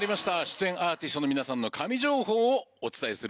出演アーティストの皆さんの神情報をお伝えする時間です。